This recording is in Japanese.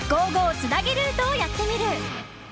つなげルート」をやってみる！